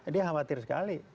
dia khawatir sekali